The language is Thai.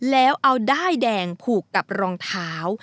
แล้วเอาด้ายแดงผูกกับรองเท้า